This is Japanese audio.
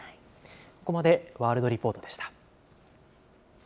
ここまでワールドリポートでした。